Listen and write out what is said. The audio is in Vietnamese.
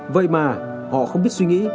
vậy mà họ không biết suy nghĩ